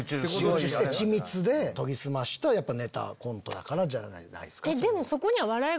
緻密で研ぎ澄ましたネタコントだからじゃないですか。